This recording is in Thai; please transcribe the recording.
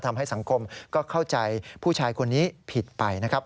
ทำให้สังคมก็เข้าใจผู้ชายคนนี้ผิดไปนะครับ